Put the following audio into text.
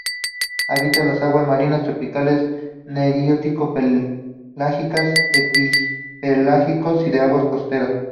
Habitan las aguas marinas tropicales nerítico-pelágicas, epipelágico de aguas costeras.